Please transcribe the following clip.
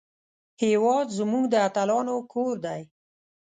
هېواد زموږ د اتلانو کور دی